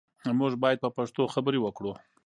موږ باید په پښتو خبرې وکړو.